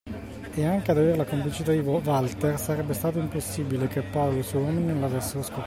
Anche ad aver la complicità di Walter, sarebbe stato impossibile che Paolo o i suoi uomini non l'avessero scoperta.